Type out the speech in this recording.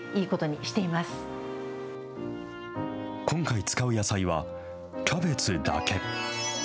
今回、使う野菜はキャベツだけ。